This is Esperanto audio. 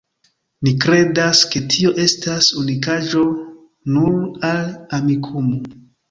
Ni kredas, ke tio estas unikaĵo nur al Amikumu.